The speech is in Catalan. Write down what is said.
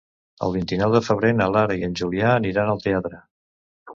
El vint-i-nou de febrer na Laura i en Julià aniran al teatre.